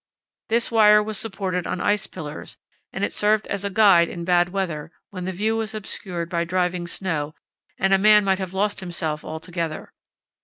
This wire was supported on ice pillars, and it served as a guide in bad weather when the view was obscured by driving snow and a man might have lost himself altogether.